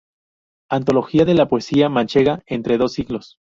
Antología de la poesía manchega entre dos siglos".